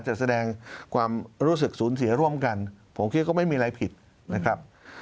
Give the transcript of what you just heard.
จะแสดงความรู้สึกสูญเสียร่วมกันผมคิดว่าไม่มีอะไรผิดนะครับ